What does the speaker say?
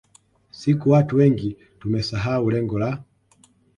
siku watu wengi tumesahau lengo la